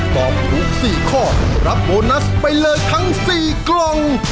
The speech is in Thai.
ตอบถูก๔ข้อรับโบนัสไปเลยทั้ง๔กล่อง